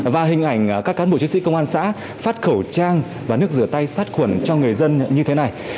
và hình ảnh các cán bộ chiến sĩ công an xã phát khẩu trang và nước rửa tay sát khuẩn cho người dân như thế này